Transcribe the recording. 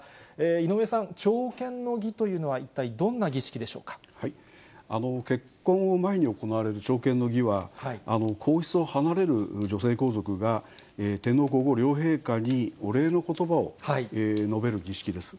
井上さん、朝見の儀というのは、結婚を前に行われる朝見の儀は、皇室を離れる女性皇族が、天皇皇后両陛下にお礼のことばを述べる儀式です。